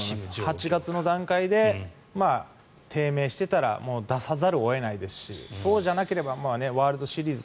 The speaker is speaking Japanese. ８月の段階で低迷してたら出さざるを得ないですしそうじゃなければワールドシリーズ